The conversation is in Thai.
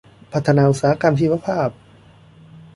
พัฒนาอุตสาหกรรมฐานชีวภาพ